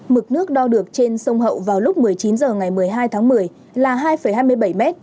mực nước đo được trên sông hậu vào lúc một mươi chín h ngày một mươi hai tháng một mươi là hai hai mươi bảy m